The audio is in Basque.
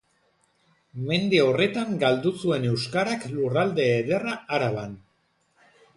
Mende horretan galdu zuen euskarak lurralde ederra Araban.